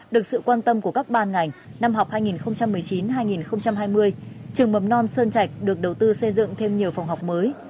được sự quan tâm của các ban ngành năm học hai nghìn một mươi chín hai nghìn hai mươi trường mầm non sơn trạch được đầu tư xây dựng thêm nhiều phòng học mới